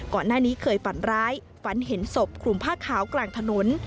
ก่อนหน้านี้เคยฝันร้ายฝันเห็นศพคลุมผ้าขาวกลางถนน